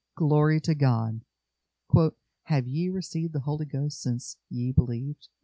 Glory to God! "HAVE YE RECEIVED THE HOLY GHOST SINCE YE BELIEVED?"